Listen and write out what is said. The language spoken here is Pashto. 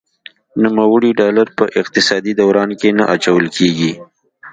نوموړي ډالر په اقتصادي دوران کې نه اچول کیږي.